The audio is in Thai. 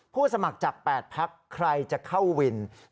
ผู้สมัครจาก๘พรรคใครจะเข้าวิน